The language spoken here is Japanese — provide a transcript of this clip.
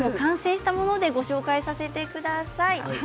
完成したものでご紹介させてください。